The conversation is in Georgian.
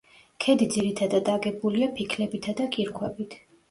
ქედი ძირითადად აგებულია ფიქლებითა და კირქვებით.